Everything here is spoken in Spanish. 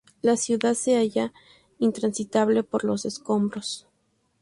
La ciudad se hallaba intransitable por los escombros.